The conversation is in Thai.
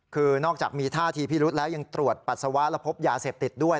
คือนอกจากมีท่าทีพิรุษแล้วยังตรวจปัสสาวะและพบยาเสพติดด้วย